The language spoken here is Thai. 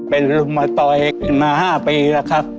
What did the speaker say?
เป็นรุมตอยนะครับมาห้าปีแล้วครับ